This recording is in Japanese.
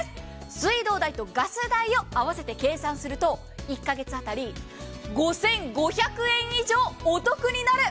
水道代とガス代を合わせて計算すると１カ月当たり５５００円以上お得になる。